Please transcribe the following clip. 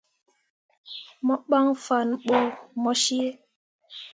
Mo ɓan fanne ɓo mo cii.